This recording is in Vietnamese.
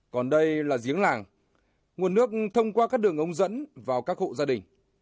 còn đây là giếng làng nguồn nước thông qua các đường ống dẫn vào các hộ gia đình